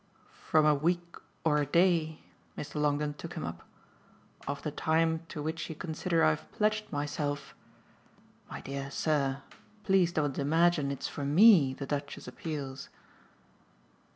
"From a week or a day" Mr. Longdon took him up "of the time to which you consider I've pledged myself? My dear sir, please don't imagine it's for ME the Duchess appeals."